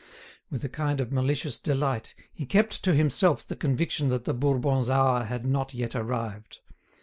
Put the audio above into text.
With a kind of malicious delight, he kept to himself the conviction that the Bourbons' hour had not yet arrived.